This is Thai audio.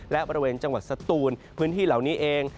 และบริเวณจังหวัดสตูนพื้นที่เหล่านี้เอง